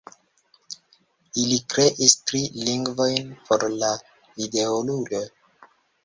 Ili kreis tri lingvojn por la videoludo